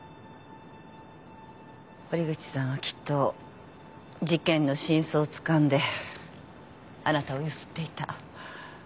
堀口さんはきっと事件の真相をつかんであなたをゆすっていた。